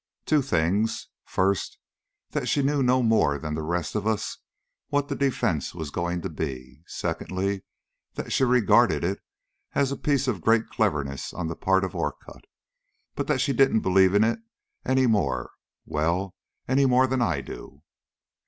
"Two things. First, that she knew no more than the rest of us what the defence was going to be. Secondly, that she regarded it as a piece of great cleverness on the part of Orcutt, but that she didn't believe in it anymore well, any more than I do."